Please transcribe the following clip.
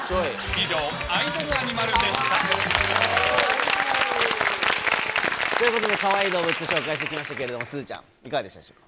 以上、アイドルアニマルでした。ということで、かわいい動物紹介してきましたけど、すずちゃん、いかがでしたでしょうか。